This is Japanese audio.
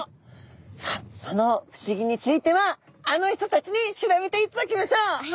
さあその不思議についてはあの人たちに調べていただきましょう！